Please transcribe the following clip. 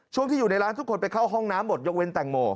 ช่วงที่อยู่ในร้านทุกคนไปเข้าห้องน้ำหมดยกเว้นแตงโม